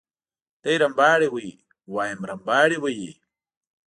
دی رمباړې وهي وایم رمباړې وهي.